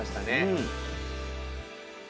うん。